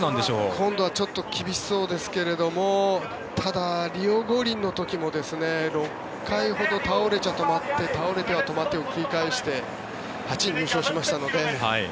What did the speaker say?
今度はちょっと厳しいそうですけどただ、リオ五輪の時も６回ほど倒れては止まって倒れては止まってを繰り返して８位入賞しましたので。